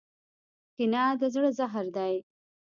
کینه د زړه زهر دی.